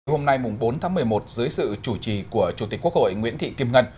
hôm nay bốn tháng một mươi một dưới sự chủ trì của chủ tịch quốc hội nguyễn thị kim ngân